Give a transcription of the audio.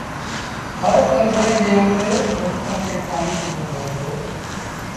هر پنڌرين ڏيݩهآ ن مرچآݩ کي پآڻي ڏنو وهي دو